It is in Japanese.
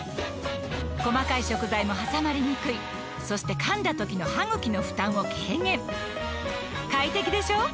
細かい食材も挟まりにくいそして噛んだ時の歯ぐきの負担を軽減快適でしょ？